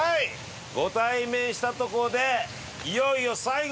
ご対面したところでいよいよ。